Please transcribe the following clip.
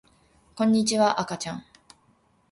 こんにちは、あかちゃん